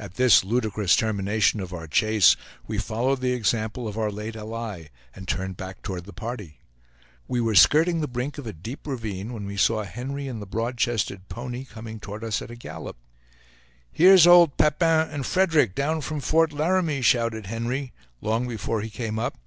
At this ludicrous termination of our chase, we followed the example of our late ally, and turned back toward the party. We were skirting the brink of a deep ravine, when we saw Henry and the broad chested pony coming toward us at a gallop. "Here's old Papin and Frederic, down from Fort Laramie!" shouted Henry, long before he came up.